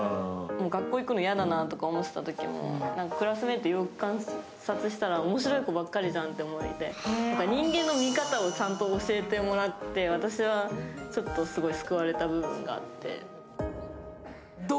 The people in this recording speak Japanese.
学校行くの嫌だなと思ってたときもクラスメイトをよく観察したら、おもしろい子ばっかじゃんという、人間の見方をちゃんと教えてもらって私はちょっと救われた部分もあって。